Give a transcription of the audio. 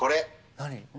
何？